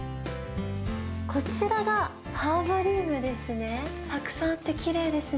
こちらが、ハーバリウムですね。